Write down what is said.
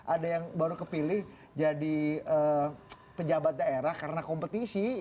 ada yang baru kepilih jadi pejabat daerah karena kompetisi